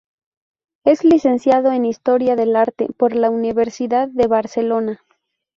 Es licenciado en Historia del Arte por la Universidad de Barcelona.